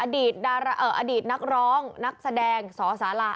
อดีตนักร้องนักแสดงสสารา